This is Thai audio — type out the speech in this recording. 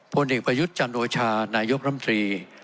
ผลเอกประยุทธ์จันโอชานายกรมตรี